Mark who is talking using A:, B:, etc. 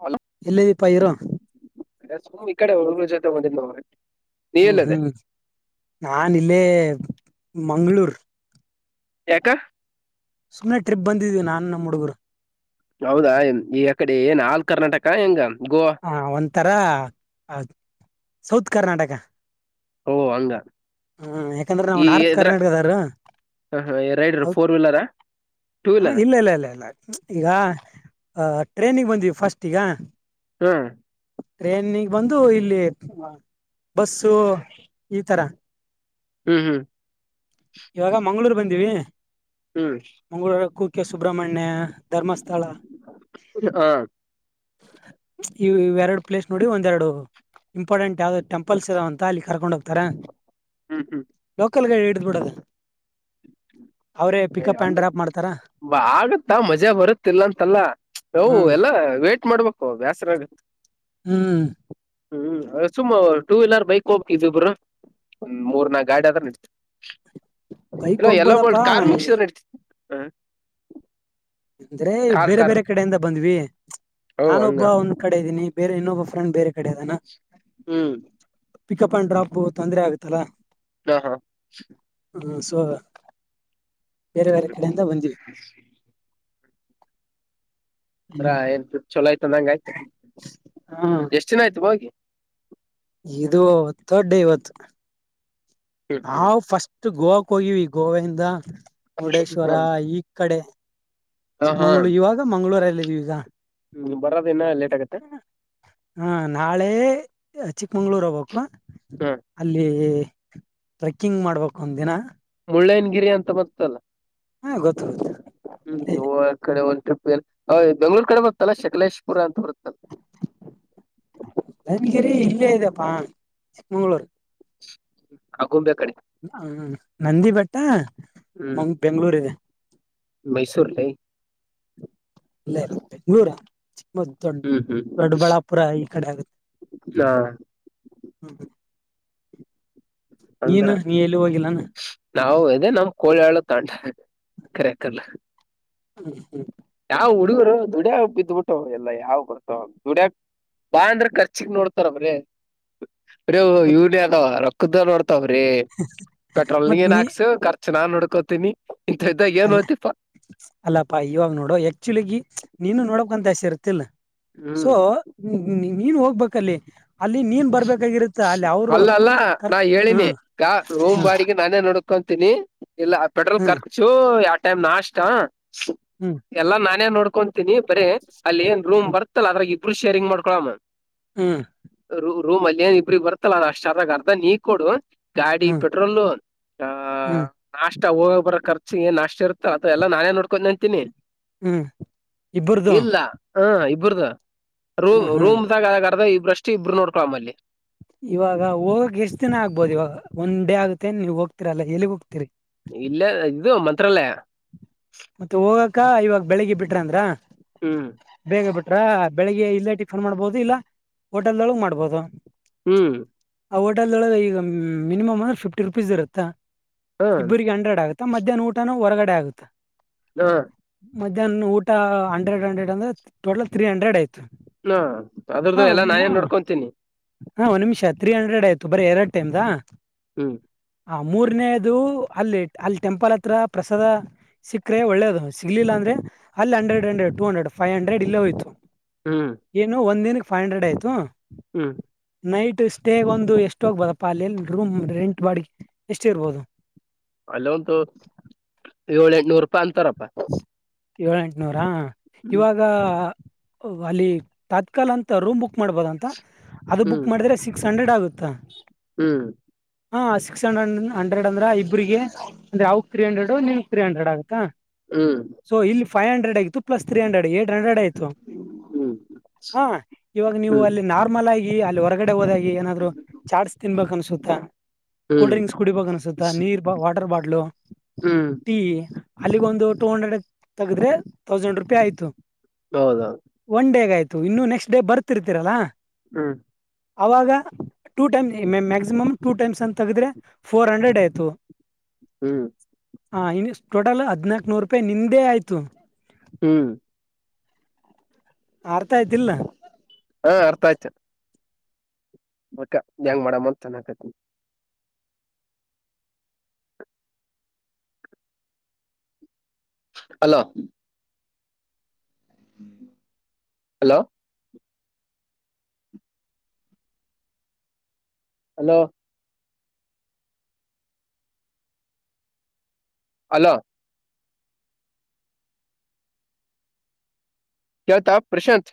A: How
B: ಇಲ್ಲದೀ ಪ ಇರೋ
A: ಅ ಸಮ್ ಇ ಕಡೆ ಒಳುರು ಜೊತೆ ಮ ನೋ
B: ಹ್ಮ್ ಹ್ಮ್ ನಾನ್ ಇಲ್ಲೇ. ಮಂಗಳೂರು.
A: ಯಾಕ.
B: ಸುಮ್ನೆ ಟ್ರಿಪ್ ಬಂದಿದ್ವಿ ನಾನು ನಮ್ ಹುಡುಗರು.
A: ಹೌದಾ ಈ ಅಕಡೆ ಏನ್ ಆಲ್ ಕರ್ನಾಟಕ ಹೆಂಗ. ಗೋವಾ
B: ಹ ಒಂಥರ ಸೌತ್. ಕರ್ನಾಟಕ.
A: ಓ ಹಂಗ
B: ಹ್ಮ್ ಯಾಕಂದ್ರೆ ನಾವು
A: ಈ
B: ನಾರ್ತ್
A: ಇದ್ರ
B: ಕರ್ನಾಟಕದವರು
A: ರೈಡ್ರ
B: ಹ
A: ಫೋರ್ ವೀಲರಾ ಟೂ ವೀಲರ್
B: ಇಲ್ಲ ಇಲ್ಲ ಇಲ್ಲ ಇಲ್ಲ ಈಗ. ಟ್ರೈನಿಗೆ ಬಂದೀವಿ ಫಸ್ಟ ಈಗ.
A: ಹ್ಮ್.
B: ಟ್ರೈನ್ಗೆ ಬಂದು ಇಲ್ಲಿ ಬಸ್ಸು ಈ ತರ.
A: ಹ್ಮ್ ಹ್ಮ್
B: ಇವಾಗ ಮಂಗ್ಗಳೂರ್ ಬಂದಿವಿ.
A: ಹ್ಮ್
B: ಮಂಗಳೂರು. ಕುಕ್ಕೆ ಸುಬ್ರಮಣ್ಯ. ಧರ್ಮಸ್ಥಳ.
A: ಹ
B: ಇವು ಎರಡು ಪ್ಲೇಸ್ ನೋಡಿ ಒಂದುರೆಡು ಇಂಪಾರ್ಟೆಂಟ್ ಯಾವ್ದೋ ಟೆಂಪಲ್ಸ್ ಇದಾವೆ ಅಂತ ಅಲ್ಲಿ ಕರ್ಕೊಂಡ್ ಹೋಗ್ತಾರೆ.
A: ಹ್ಮ್ ಹ್ಮ್
B: ಲೋಕಲ್ ಗೈಡು. ಬಿಡೋದು ಅವ್ರೇ ಪಿಕಪ್ ಅಂಡ್
A: ಅಂದ್ರ
B: ಡ್ರಾಪ್ ಮಾಡ್ತಾರ
A: ಆಗತ್ತ ಮಜಾ ಬರುತ್ತ ಇಲ್ಲ ಅಂತಲ್ಲ ನಾವು
B: ಹ್ಮ್
A: ಎಲ್ಲ ವೇಟ್ ಮಾಡ್ಬೇಕು. ಓ ಬ್ಯಾಸರ.
B: ಹ್ಮ್.
A: ಹ್ಮ್ ಸುಮ್ ಟೂ ವೀಲರ್ ಬೈಕ್ ಹೋಗಬೇಕು ಇಬ್ಬೀಬ್ರು ಒಂದ್ ಮೂರ್ ನಾಲ್ಕ ಗಾಡಿ ಆದರೆ ನಡೀತಿತ್ತು.
B: ಬೈಕ್
A: ಇಲ್ಲೋ ಎಲ್ಲ ಬೋರ್ಡ್
B: ಹೋಗ್ಬೋದಪ್ಪಾ
A: ಕಾರ್ ಮುಗಸಿದ್ರ ನಡ್ತಿ. ಹ
B: ಅಂದ್ರೆ
A: ಕಾರ್
B: ಬೇರೆ
A: ಕಾರ್
B: ಬೇರೆ ಕಡೆಯಿಂದ ಬಂದ್ವಿ.
A: ಓ ಹಂಗ
B: ನಾನೊಬ್ಬ ಒಂದ್ ಕಡೆ ಇದ್ದೀನಿ ಬೇರೆ ಇನ್ನೊಬ್ಬ ಫ್ರೆಂಡ್ ಬೇರೆ ಕಡೆದಾನ
A: ಹ್ಮ್
B: ಪಿಕಪ್ ಅಂಡ್ ಡ್ರಾಪ್ ತೊಂದ್ರ ಆಗುತ್ತಲ್ಲ.
A: ಹ ಹಾ
B: ಹ ಸೊ ಬೇರೆ ಬೇರೆ ಕಡೆಯಿಂದ ಬಂದಿವಿ. ಹ್ಮ
A: ಅದ್ರಾನ್ ಚಲೋಯ್ತ ಆಯ್ತ ಎಷ್ಟು ದಿನ ಆಯ್ತು ಹೋಗಿ
B: ಇದು ಥರ್ಡ್ ಡೇ ಇವತ್ತು ನಾವು ಫಸ್ಟ್ ಗೋವಾಕ್ಕೆ ಹೋಗಿವಿ ಗೋವಾ. [unintelligible] ಮುರುಡೇಶ್ವರ ಈ ಕಡೆ
A: ಹ ಹಾ
B: ಚಿಕ್ಕಮಂಗಗಳೂರು ಇವಾಗ ಮಂಗಳೂರ, ೀವಿಗಾ
A: ಬರೋದ ಇನ್ನ ಲೇಟ್ ಆಗತ್ತೆ
B: ಹಾ ನಾಳೆ ಎ ಚಿಕ್ಕಮಂಗ್ಳೂರು ಹೋಗ್ಬೇಕು ಅಲ್ಲಿ ಟ್ರೆಕ್ಕಿಂಗ್ ಮಾಡ್ಬೇಕ ಒಂದ ದಿನ
A: ಒಲೈನ್ ಗಿರಿ ಅಂತ ಮತ್ತಲ್ಲ
B: ಹಾ ಗೊತ್ತು ಗೊತ್ತು
A: ಹ್ಮ್ ಕಡೆ ಒಂದು ಟ್ರಿಪ್ ಬೆಂಗಳೂ ಕಡೆ ಬತ್ತಲ್ಲ ಶಕಲೇಶ್ಪುರ ಅಂತ ಬರುತ್ತೆ.
B: ಇ ಇಪ್ಪಾ ಚಿಕ್ಕ ಮಂಗಗಳೂರು
A: ಹ ಕುಂಬೆ ಕಡೆ
B: ಹ ನಂದಿ ಭಟ್ಟ ಮಂಗ ಬೆಂಗ್ಳೂರ್ ಇದೆ
A: ಮೈಸೂರ್ಲ್ಲಿ,
B: ಇಲ್ಲೇ ನೂರ ಮ ದೊಡ್
A: ಹ್ಮ್ ಹ್ಮ್
B: ದೊಡ್ಡಬಳ್ಳಾಪುರ ಈ ಕಡೆ ಆಗುತ್ತೆ
A: ಹಾ
B: ಹ್ಮ
A: ಅಂದ್ರ
B: ನೀನು ನೀ ಎಲ್ಲಿ ಹೋಗಿಲ್ಲಾನ
A: ನಾವು ಇದೆೇ ನಮ ಕೋಳಿಳ ತಾಂಟ ಕರೆಕಲ್ಲ.
B: ಹ್ಾ
A: ಯಾವ್ ಹುಡುಗರು ದುಡ್ಯಾ ಬಿದ್ಬಿಟ್ಟು ಎಲ್ಲಾ ಯಾವ್ ಬರ್ತಾವ ದುಡ್ಯಾಕ್ ಬಾ ಅಂದ್ರ ಖರ್ಚಿಕ್ ನೋಡ್ತಾರಬ್ರಿ ಅ
B: ಮತ್
A: ಇವಡದ ಕುುದದ ್ರೇ ಪೆಟ್ರೋಲ್
B: ಮತ್ ನೀ
A: ನೀಏನ್ಾಕ್ಸರ್, ನಾನ್ ನೋಡ್ಕೋತೀನಿ, ಇಂತ ಇದ್ದಾಗ ಏನ್
B: ಅಲ್ಲ
A: ಹೋತಿಪಾ
B: ಅಲ್ಲಪ್ಪ ಇವಾಗ ನೋಡೋ ಆಕ್ಚುಲಿ ನೀನು ನೋಡೋಕ್ ಅಂತಸ ಇರುತ್ತೆ. ಇತ್ತಲ್ಲ ಸೊ
A: ಹ್ಮ್
B: ನೀನ್ ಹೋಗ್ಬ ಕಲೆ
A: ಅಲ್ಲ ಅಲ್ಲ ನಾ
B: ಕರ್ಕ್
A: ಹೇಳಿನಿ
B: ಹ್ಮ್
A: ರೋಮ ಬಾಡಿಗೆ ನಾನೇ ನೋಡ, ಕತೀನಿ ಇಲ್ಲ ಪೆಟ್ರೋಲ್
B: ಹ್ಮ್
A: ಖರ್ಚು ಟೈಮ ನಾಷ್ಟಾ
B: ಹ್ಮ್
A: ಎಲ್ಲ ನಾನೇ ನೋಡ್ಕೊತೀನಿ ಬರೆ ಅಲ್ಲಿ ಏನ್ ರೂಮ್ ಬರ್ತಲ್ಲ ಅದ್ರಾಗ ಇಬ್ಬ ಇಬ್ಬರಿಗೂ ಶೇರಿಂಗ್ ಮಾಡ್ಕೊಳಮ್ಮ
B: ಹ್ಮ್
A: ರ ರೂಮ್ಲ್ಲಿ ಏನ್ ಇಬ್ಬರಿಗೆ ಬರ್ತಲ್ಲ ಶಾರದಾಗ ಅರ್ಧ ನೀ ಕೊಡು ಗಾಡಿ
B: ಹ್ಮ್
A: ಪೆಟ್ರೋಲ್ ಅ ಅ
B: ಹ್ಮ್ ಹ್ಮ್
A: ನಾಷ್ಟ ಅಷ್ಟ ಹೋಗ ಬರ ಖರ್ಚುಗೆ ನಾಷ್ಟಾ ಇರುತ್ತ ಅದೆಲ್ಲ ನಾನೇ ನೋಡ್ಕೊಂಡ ಅಂತಿನಿ
B: ಹ್ಮ್ ಇಬ್ಬರ್ದು
A: ಇಲ್ಲ ಹ ಒಬ್ಬರದ ರೂ
B: ಹ್ಮ್ ಹ್ಮ್
A: ರೂಮ್ದಾಗ ಆರಾಧಗ್ ಈಶ್ ಷ್ಟ ಇಬ್ರು ನೋಡ್ಕೊೊಳ್ಳಮ್ಮಲ್ಲಿ
B: ಇವಾಗ ಹೋಗಕ್ ಎಷ್ಟ್ ದಿನ ಆಗ್ಬೋದು ಇವಾಗ ಒನ್ ಡೇ ಆಗುತ್ತೇ ನೀವ್ ಹೋಗ್ತೀರಲ್ಲ ಎಲ್ಲಿಗ್ ಹೋಗ್ತೀರಿ
A: ಇಲ್ಲೆ ಇದು ಮಂತ್ರಲ್ಲಯ
B: ಮತ್ತೆ ಹೋಗ ಅಕ್ಕಾ ಇವಾಗ ಬೆಳಿಗ್ಗೆ ಬಿಟ್ರ ಅಂದ್ರ
A: ಹ್ಮ್
B: ರ ಬೆಳಿಗ್ಗೆ ಇಲ್ಲೇಟಿಫನ್ ಮಾಡ್ಬಹುದು ಇಲ್ಲ ಹೋಟೆಲ್ದೊಳಗ್ ಮಾಡ್ಬೋದು
A: ಹ್ಮ್
B: ಆ ಹೋಟೆಲ್ದೊಳಗೆ ಈಗ ಮಿನಿಮಮ್ ಅಂದ್ರ ಫಿಫ್ಟಿ ರುಪೀಸ್ ಇರುತ್ತ
A: ಹಾ
B: ಇಬ್ಬ್ರಿಗೆ ಹಂಡ್ರೆಡ್ ಆಗುತ್ತಾ ಮದ್ಯಾನ್ ಊಟನು ಹೊರಗಡೆ ಆಗುತ್ತಾ
A: ಲೋ
B: ಮಧ್ಯಾಹ್ನ ಊಟ ಹಂಡ್ರೆಡ್ ಹಂಡ್ರೆಡ್ ಅಂದರೆ ಟೋಟಲ್ ತ್ರೀ ಹಂಡ್ರೆಡ್ ಆಯತು
A: ಹಾ ಅದ್ರದ್ದು ಎಲ್ಲಾ ನಾ ಏನ ನೋಡ್ಕೊತೀನಿ
B: ಹಾ ಒನ್ ನಿಮಿಷ ತ್ರೀ ಹಂಡ್ರೆಡ್ ಆಯ್ತು ಬರಿ ಎರಡ್ ಟೈಮದಾ
A: ಹ್ಮ್
B: ಆ ಮೂರನೇದು ಅಲ್ಲಿ ಅಲ್ಲಿ ಟೆಂಪಲ್ ಹತ್ರ ಪ್ರಸಾದ ಸಿಕ್ಕರೆ ಒಳ್ಳೇದು ಸಿಗ್ಲಿಲ್ಲ ಅಂದರೆ ಅಲ್ಲಿ hundred hundred two hundred five hundred ಇಲ್ಲೇ ಹೋಯ್ತು
A: ಹ್ಮ್
B: ಏನು ಒಂದಿನಕ್ಕ ಫೈ ಹಂಡ್ರೆಡ್ ಆಯಿತು
A: ಹ್ಮ್
B: ನೈಟ್ ಸ್ಟೇ ಗೊಂದು ಎಷ್ಟು ಹೋಗ್ಬೋದಪ್ಪ ಅಲ್ಲಿ ರೂಮ್ ರೆಂಟ್ ಬಾಡಗಿ ಎಷ್ಟುರ್ಬೋದು
A: ಅಲ್ಲ ಒಂದು ಏಳ ಎಂಟನೂರು ರೂಪಾಯಿ ಅಂತಾರಪ್ಪ ಹ
B: ಏಳ ಎಂಟನೂರಾ ಇವಾಗ ಓ ಅಲ್ಲಿ ತಾತ್ಕಾಲ ಅಂತ ರೂಮ್ ಬುಕ್ ಮಾಡ್ಬೋದ ಅಂತ ಅದು
A: ಹ್ಮ್
B: ಬುಕ್ ಮಾಡಿದ್ರೆ ಸಿಕ್ಸ್ ಹಂಡ್ರೆಡ್ ಆಗುತ್ತಾ?
A: ಹ್ಮ್
B: ಹಾ ಸಿಕ್ಸ್ ಹನ್ ನನ ಹಂಡ್ರೆಡ್ ಅಂದ್ರ ಇಬ್ರಿಗೆ ಅಂದ್ರೆ ಅವ್ರಗ್ಗ್ ತ್ರೀ ಹಂಡ್ರೆಡ್ ನಿನಗ ತ್ರೀ ಹಂಡ್ರೆಡ್ ಆಗುತ್ತಾ.
A: ಹ್ಮ್
B: ಸೊ ಇಲ್ಲಿ ಫೈ ಹಂಡ್ರೆಡ್ ಆಗಿತ್ತು plus three hundred eight hundred ಆಯ್ತು
A: ಹ್ಮ್
B: ಹ ಇವಾಗ ನೀವು
A: ಹ್ಮ್
B: ಅಲ್ಲಿ ನಾರ್ಮಲ್ ಆಗಿ ಗಿ ಅಲ್ಲಿ ಹೊರಗಡೆ ಹೋದಾಗಿ ಏನಾದ್ರು ಚಾಟ್ಸ್ ತಿನ್ಬೇಕ್ ಅನ್ಸುತ್ತಾ ಕೋಲ್ಡ್
A: ಹ್ಮ್
B: ಡ್ರಿಂಕ್ಸ್ ಕುಡಿಬೇಕ ಅನ್ಸುತ್ತ ನೀರ್ ವಾಟರ್ ಬಾಟ್ಲು
A: ಹ್ಮ್
B: ಟೀ. ಅಲ್ಲಿಗ ಒಂದು ಟೂ ಹಂಡ್ರೆಡ್ ತಗದ್ರೆ ತೌಸಂಡ್ ರೂಪಿ ಆಯ್ತು.
A: ಹೌದೌದ.
B: ಇನ್ನೂ ನೆಕ್ಸ್ ಡೇ ಬರ್ತಿರ್ತೀರಲ್ಲಾ
A: ಹ್ಮ
B: ಅವಾಗ ಟೂ ಟೈಮ್ ಮ್ಯಾ ಮ್ಯಾ ಮ್ಯಾಕ್ಸಿಮಮ್ ಟೂ ಟೈಮ್ಸ್ ಅಂತ ತೆಗದ್ರೆ ಫೋರ್ ಹಂಡ್ರೆಡ್ ಆಯ್ತು.
A: ಹ್ಮ್
B: ಹಾ ಇ ಟೋಟಲ್ ಹದ್ನಾಲ್ಕನೂರ ಪ್ಪೇ ನಿಂದೇ ಆಯ್ತು.
A: ಹ್ಮ್
B: ಅರ್ಥಾ ಆಯ್ತಿಲ್ಲ.
A: ಹಾ ಅರ್ಥ ಆಯ್ತ. ಬಕ ಹೆಂಗ್ ಮಾಡಮ್ಮ ಅಂತ ಅನ್ನಕತ್ತಿನಿ. ಹಲೋ ಹಲೋ ಹಲೋ ಹಲೋ ಕೇಳ್ತಾ ಪ್ರಶಾಂತ್.